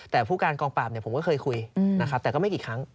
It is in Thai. แต่ผู้การกองปราบผมก็เคยคุยนะครับแต่ก็ไม่กี่ครั้ง